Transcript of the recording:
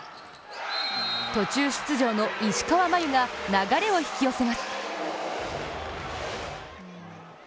途中出場の石川真佑が流れを引き寄せます。